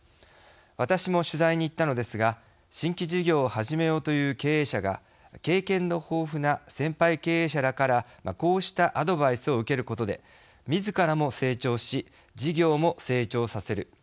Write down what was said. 私も取材に行ったのですが新規事業を始めようという経営者が経験豊富な先輩経営者らからこうしたアドバイスを受けることでみずからも成長し事業も成長させる。